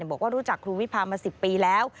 บอกว่ารู้จักครูวิพามา๑๐ปีแล้ว